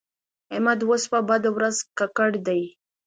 احمد اوس په بده ورځ ککړ دی.